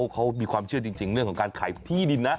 เขามีความเชื่อจริงเรื่องของการขายที่ดินนะ